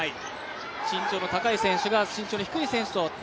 身長の高い選手が身長の低い選手と。